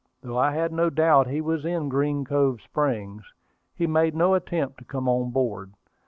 Though I had no doubt he was in Green Cove Springs, he made no attempt to come on board.